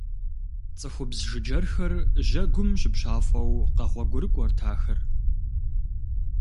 ЦӀыхубз жыджэрхэр жьэгум щыпщафӀэу къэгъуэгурыкӀуэрт ахэр.